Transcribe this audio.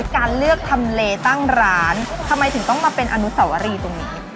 การเลือกทำเลตั้งร้านทำไมถึงต้องมาเป็นอนุสวรีตรงนี้